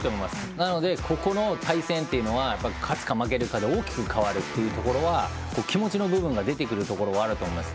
なので、ここの対戦というのは勝つか負けるかで大きく変わるというのは気持ちの部分も出てくると思います。